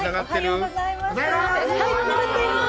おはようございます。